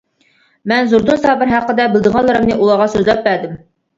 مەن زوردۇن سابىر ھەققىدە بىلىدىغانلىرىمنى ئۇلارغا سۆزلەپ بەردىم.